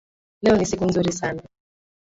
Leo ni siku nzuri sana